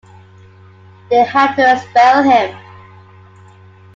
They had to expel him.